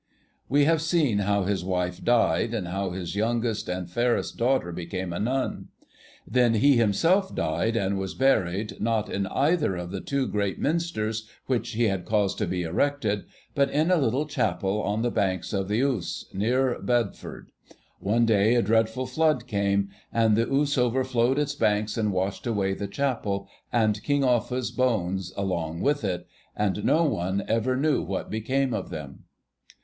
We have seen how his wife died, and how his youngest and fairest daughter became a nun. Then he himself died and was buried, not in either of the two great Minsters which he had caused to be erected, but in a little chapel on the banks of the Ouse, near Bedford. One day a dreadful flood came, and the Ouse overflowed its banks and washed away the chapel, and King Offa's bones along with it, and no one ever knew what became of them.